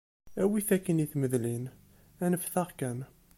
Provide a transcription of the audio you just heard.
Awi-t akkin i tmedlin, anfet-aɣ kan.